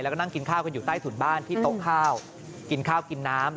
แล้วก็นั่งกินข้าวกันอยู่ใต้ถุนบ้านที่โต๊ะข้าวกินข้าวกินน้ำ